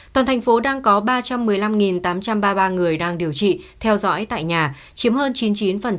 toàn thành phố đang có ba trăm một mươi năm tám trăm ba mươi ba người đang điều trị theo dõi tại nhà chiếm hơn chín mươi chín